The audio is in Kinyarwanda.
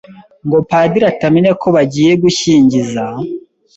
ngo Padiri atamenya ko bagiye gushyingiza